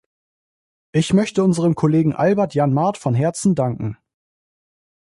Ich möchte unserem Kollegen Albert Jan Maat von Herzen danken.